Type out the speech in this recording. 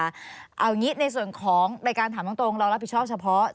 เอาอย่างนี้ในส่วนของรายการถามตรงเรารับผิดชอบเฉพาะ